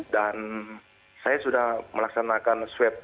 dan saya sudah melaksanakan suet suet